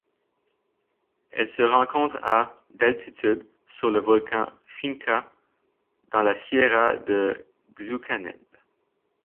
Elle se rencontre à d'altitude sur le volcan Finca dans la Sierra de Xucaneb.